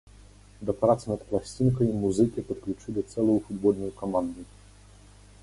Да працы над пласцінкай музыкі падключылі цэлую футбольную каманду.